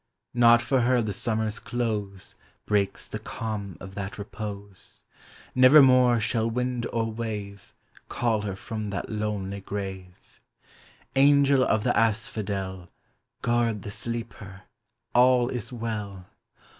Not for her the summer's close Breaks the calm of that repose. 107 LILIAN ADELAIDE NEILSON. Nevermore shall wind or wave Call her from that lonely grave. Angel of the Asphodel Guard the sleeper — all is well